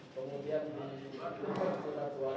kemudian dikipas surat suaranya